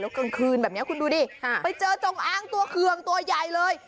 กลางคืนแบบนี้คุณดูดิไปเจอจงอ้างตัวเคืองตัวใหญ่เลย